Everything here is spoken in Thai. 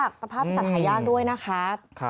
สภาพเล่าสัตว์หาย่าด้วยนะครับ